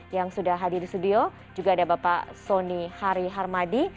yang sudah hadir di studio juga ada bapak soni hari harmadi